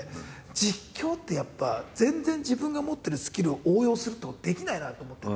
実況ってやっぱ全然自分が持ってるスキルを応用するってことできないなと思って。